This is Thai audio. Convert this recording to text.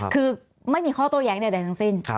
คือไม่มีข้อโต้แย้งใดทั้งสิ้น